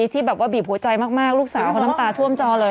ที่บีบหัวใจมากลูกสาวของน้ำตาท่วมจอเลย